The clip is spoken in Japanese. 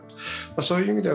そういう意味では